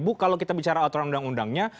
bu kalau kita bicara aturan undang undangnya